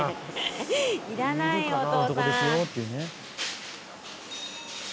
いらないよお父さん。